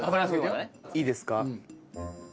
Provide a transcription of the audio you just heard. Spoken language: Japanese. いいですか。